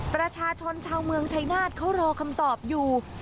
ประชาชนชาวเมืองชายนาฏเขารอคำตอบอยู่